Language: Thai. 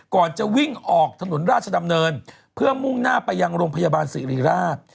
ก่อนจะวิ่งออกถนนราชดำเนินเพื่อมุ่งหน้าไปยังโรงพยาบาลศิริราช